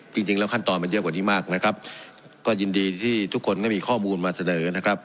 จริงแล้วขั้นตอนมันเยอะกว่านี้มากนะครับก็ยินดีที่ทุกคนก็มีข้อมูลมาเสนอนะครับ